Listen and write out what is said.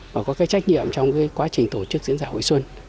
và có cái trách nhiệm trong cái quá trình tổ chức diễn giả hội xuân